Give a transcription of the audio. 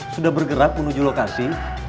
sudah bergerak menuju lokasi